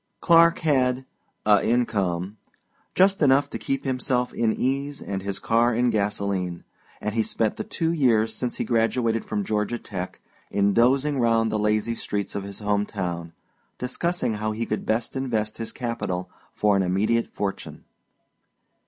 Clark had "a income" just enough to keep himself in ease and his car in gasolene and he had spent the two years since he graduated from Georgia Tech in dozing round the lazy streets of his home town, discussing how he could best invest his capital for an immediate fortune.